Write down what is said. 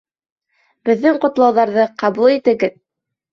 Беҙҙең ҡотлауҙарҙы ҡабул итегеҙ!